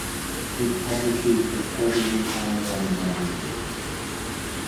It publishes a quarterly online magazine.